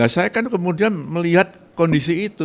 saya kan kemudian melihat kondisi itu